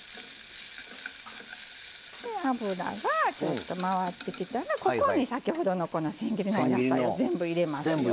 油がちょっと回ってきたらここに先ほどのこのせん切りのお野菜を全部入れますよ。